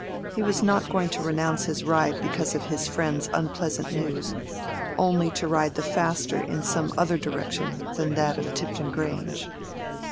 He was not going to renounce his ride because of his friend's unpleasant news—only to ride the faster in some other direction than that of Tipton Grange.